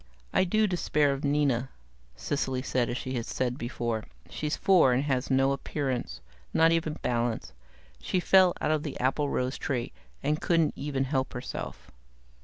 "I do despair of Nina," Cecily said, as she had said before. "She's four, and has no appearance. Not even balance. She fell out of the applerose tree, and couldn't even help herself."